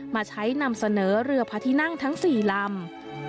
มาใช้นำเสนอเรือพระที่นั่งทั้ง๔ลำ